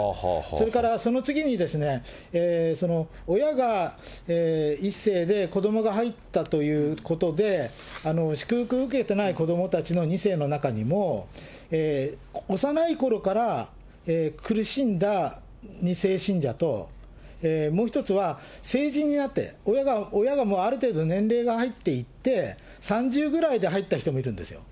それから、その次に、親が１世で子どもが入ったということで、祝福受けてない子どもたちの２世の中にも、幼いころから苦しんだ２世信者と、もう１つは成人になって、親がある程度年齢が、入っていって、３０ぐらいで入った人もいるんですよ。